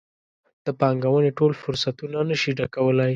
د پانګونې ټول فرصتونه نه شي ډکولی.